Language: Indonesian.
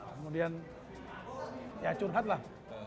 kemudian ya curhat lah